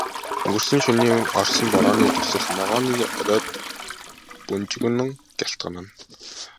Өнгөрсөн шөнийн орсон борооны дусал ногооны оройд бөнжгөнөн гялтганана.